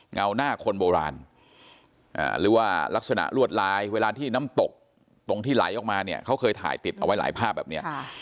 เงาหน้าคนโบราณหรือว่าลักษณะลวดลายเวลาที่น้ำตกตรงที่ไหลออกมาเนี่ยเขาเคยถ่ายติดเอาไว้หลายภาพแบบนี้